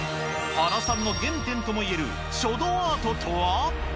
原さんの原点ともいえる書道アートとは。